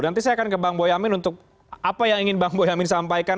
nanti saya akan ke bang boyamin untuk apa yang ingin bang boyamin sampaikan